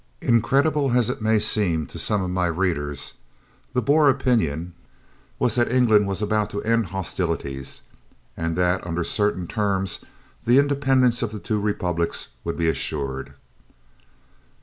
Incredible as it may seem to some of my readers, the Boer opinion was that England was about to end hostilities and that, under certain terms, the independence of the two Republics would be assured.